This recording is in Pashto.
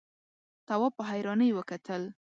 تواب په حيرانۍ وکتل.